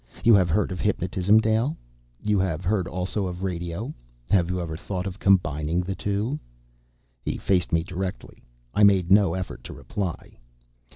You have heard of hypnotism, Dale? You have heard also of radio? Have you ever thought of combining the two?" He faced me directly. I made no effort to reply.